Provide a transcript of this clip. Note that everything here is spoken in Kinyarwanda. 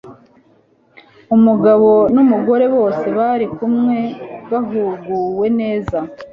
Umugabo numugore bose bari kumwe bahuguwe neza